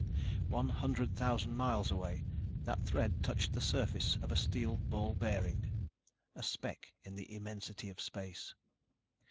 One hundred thousand miles away, that thread touched the surface of a steel ball bearing ... a speck in the immensity of space.